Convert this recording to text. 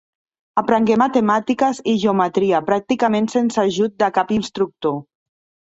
Aprengué matemàtiques i geometria, pràcticament sense ajut de cap instructor.